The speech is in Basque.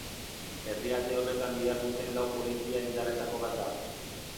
Herrialde horretan diharduten lau polizia indarretako bat da.